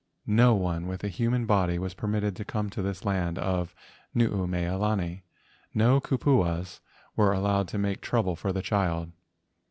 No one with a human body was permitted to come to this land of Nuumea lani. No kupuas were allowed to make trouble for the child.